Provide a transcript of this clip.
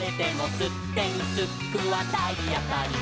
「すってんすっくはたいあたり」